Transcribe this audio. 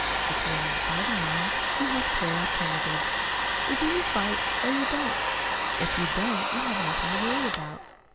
If you are on the fighting line, you have two alternatives: either you fight or you don't. If you don't, you have nothing to worry about.